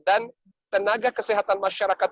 dan tenaga kesehatan masyarakat